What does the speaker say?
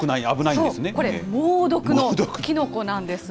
そう、これ、猛毒のキノコなんです。